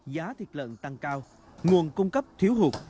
giá thịt lợn tăng cao nguồn cung cấp thiếu hụt